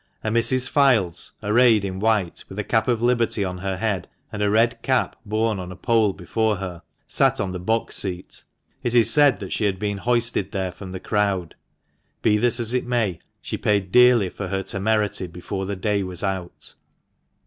A Mrs. Fildes, arrayed in white, with a cap of liberty on her head, and a red cap borne on a pole before her, sat on the box seat. It is said she had been hoisted there from the crowd. Be this as it may, she paid dearly for her temerity before the day was out.